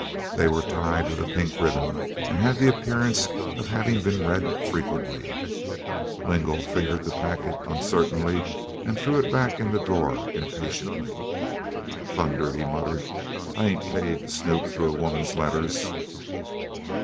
They were tied with a pink ribbon, and had the appearance of having been read frequently. Lingle fingered the packet uncertainly and then threw it back in the drawer impatiently. "Thunder!" he muttered, "I ain't paid to snoop through a woman's letters."